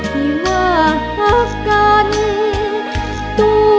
ภูมิสุภาพยาบาลภูมิสุภาพยาบาล